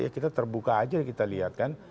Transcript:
ya kita terbuka aja kita lihat kan